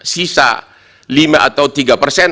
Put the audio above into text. sisa lima atau tiga persen